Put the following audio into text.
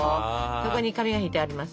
そこに紙が敷いてあります。